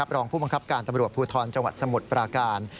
รองผู้บังคับการตำรวจภูทรจังหวัดสมุทรปราการ